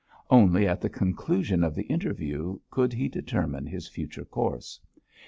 Only at the conclusion of the interview could he determine his future course.